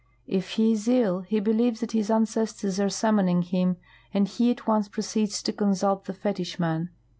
If he is ill, he believes that his ancestors are summoning him,, and he at once proceeds to consult the fetichman.